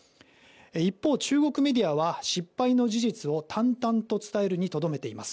一方、中国メディアは失敗の事実を淡々と伝えるにとどめています。